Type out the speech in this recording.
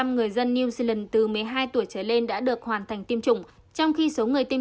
một mươi người dân new zealand từ một mươi hai tuổi trở lên đã được hoàn thành tiêm chủng trong khi số người tiêm